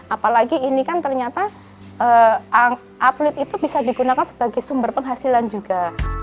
apalagi ini kan ternyata atlet itu bisa digunakan sebagai sumber penghasilan juga